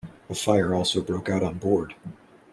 A fire also broke out on board.